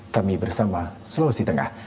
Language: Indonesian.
kami bersama sulawesi tengah